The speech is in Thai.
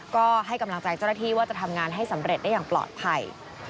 ก็ให้กำลังใจเจ้าหน้าที่ว่าจะทำงานให้สำเร็จได้อย่างปลอดภัย